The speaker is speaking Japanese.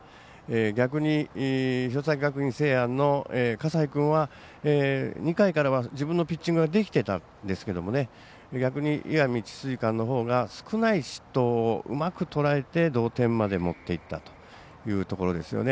逆に弘前学院聖愛の葛西君は２回からは自分のピッチングができていたんですけれども逆に石見智翠館のほうが少ない失投をうまくとらえて同点まで持っていたというところですよね。